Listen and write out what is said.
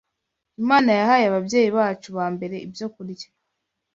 Imana yahaye ababyeyi bacu ba mbere ibyokurya